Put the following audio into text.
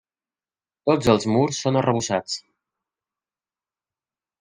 Tots els murs són arrebossats.